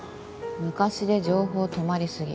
昔で情報止まり過ぎ。